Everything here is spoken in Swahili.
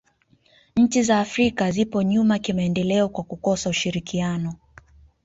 nchi za afrika zipo nyuma kimaendeleo kwa kukosa ushirikiano